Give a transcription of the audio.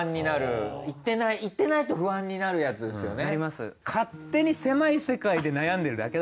いってないと不安になるやつですよね。